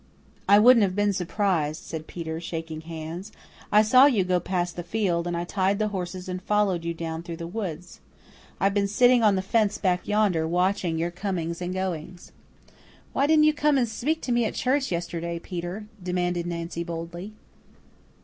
"I wouldn't have been surprised," said Peter, shaking hands. "I saw you go past the field and I tied the horses and followed you down through the woods. I've been sitting on the fence back yonder, watching your comings and goings." "Why didn't you come and speak to me at church yesterday, Peter?" demanded Nancy boldly.